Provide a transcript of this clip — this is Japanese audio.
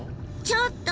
ちょっと！